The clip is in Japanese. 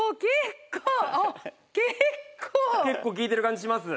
結構効いてる感じします？